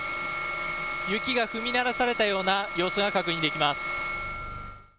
雪が踏みならされたような様子が確認できます。